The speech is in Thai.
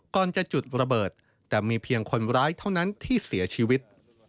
ก่อนจะจุดระเบิดแต่มีเพียงคนร้ายเท่านั้นที่เสียชีวิต